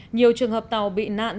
nhiều trường hợp tàu bị nạn